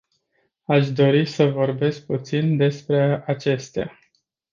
Aș dori să vorbesc puțin despre acestea.